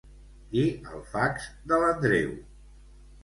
Dir el fax de l'Andreu.